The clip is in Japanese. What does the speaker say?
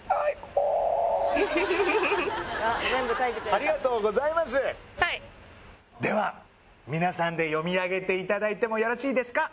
ありがとうございますでは皆さんで読み上げていただいてもよろしいですか？